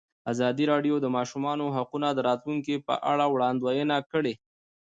ازادي راډیو د د ماشومانو حقونه د راتلونکې په اړه وړاندوینې کړې.